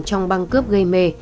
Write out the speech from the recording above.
trong băng cướp gây mê